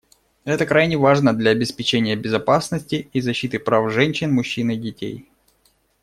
Это крайне важно для обеспечения безопасности и защиты прав женщин, мужчин и детей.